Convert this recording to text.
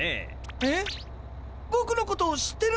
えっボクのことを知ってるんですか？